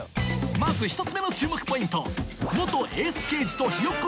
まず１つ目の注目ポイント